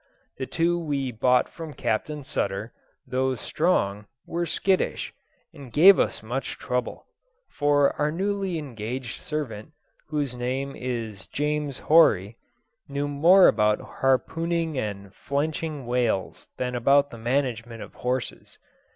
The two we bought from Captain Sutter, though strong, were skittish, and gave us much trouble, for our newly engaged servant, whose name is James Horry, knew more about harpooning and flenching whales than about the management of horses.